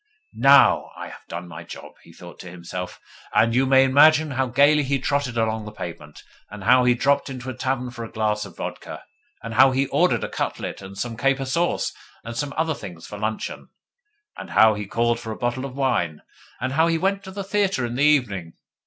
'NOW I have done my job!' he thought to himself; and you may imagine how gaily he trotted along the pavement, and how he dropped into a tavern for a glass of vodka, and how he ordered a cutlet and some caper sauce and some other things for luncheon, and how he called for a bottle of wine, and how he went to the theatre in the evening!